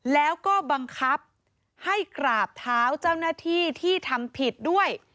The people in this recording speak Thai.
แล้วก็บังคับให้กราบเท้าเจ้าหน้าที่ที่ทำผิดด้วย